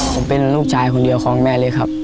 ผมเป็นลูกชายคนเดียวของแม่เล็กครับ